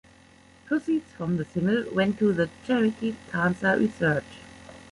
Proceeds from the single went to the charity Cancer Research.